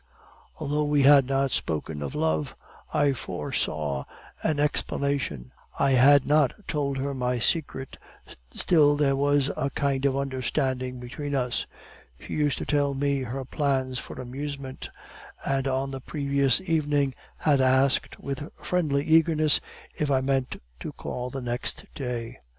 Although we had not spoken of love, I foresaw an explanation. I had not told her my secret, still there was a kind of understanding between us. She used to tell me her plans for amusement, and on the previous evening had asked with friendly eagerness if I meant to call the next day.